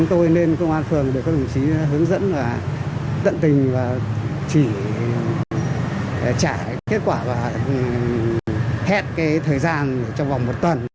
tôi nên công an phường để các đồng chí hướng dẫn và tận tình và chỉ trả kết quả và hết thời gian trong vòng một tuần